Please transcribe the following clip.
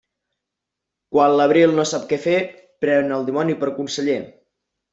Quan l'abril no sap què fer, pren el dimoni per conseller.